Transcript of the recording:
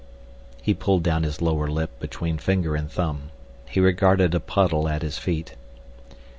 He pulled down his lower lip between finger and thumb. He regarded a puddle at his feet.